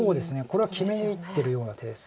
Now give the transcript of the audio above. これは決めにいってるような手ですが。